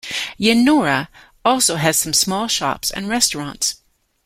Yennora also has some small shops and restaurants.